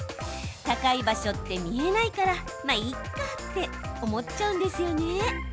高い場所って見えないからまあ、いっかって思っちゃうんですよね。